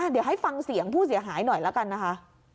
เดี๋ยวให้ฟังเสียงผู้เสียหายหน่อยแล้วกันนะคะ